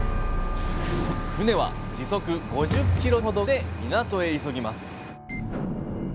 船は時速５０ｋｍほどで港へ急ぎます